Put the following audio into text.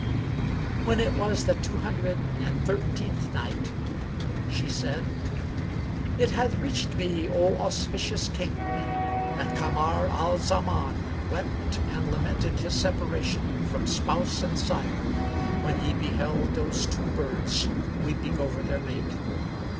When it was the Two Hundred and Thirteenth Night, She said, It hath reached me, O auspicious King, that Kamar al Zaman wept and lamented his separation from spouse and sire, when he beheld those two birds weeping over their mate.